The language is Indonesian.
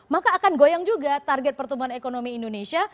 maka akan goyang juga target pertumbuhan ekonomi indonesia